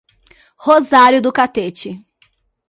Rosário do Catete